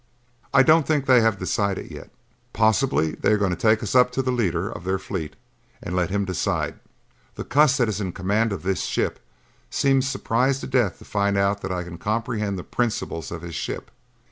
"I don't think they have decided yet. Possibly they are going to take us up to the leader of their fleet and let him decide. The cuss that is in command of this ship seems surprised to death to find out that I can comprehend the principles of his ship.